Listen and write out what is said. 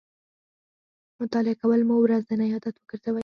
مطالعه کول مو ورځنی عادت وګرځوئ